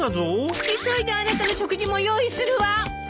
急いであなたの食事も用意するわ！